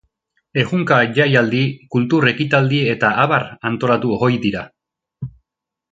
Ehunka jaialdi, kultur ekitaldi eta abar antolatu ohi dira.